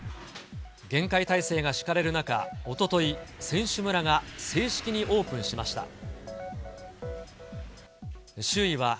厳戒態勢が敷かれる中、おととい、選手村が正式にオープンしました。